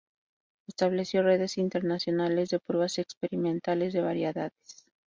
Estableció redes internacionales de pruebas experimentales de variedades.